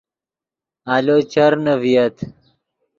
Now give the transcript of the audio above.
آلو چرنے ڤییت